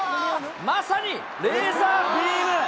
まさにレーザービーム。